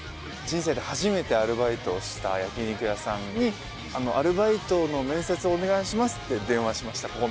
人生で初めてアルバイトをした焼き肉屋さんに「アルバイトの面接お願いします」って電話しました